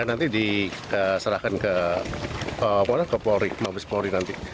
nanti diserahkan ke mabes polri nanti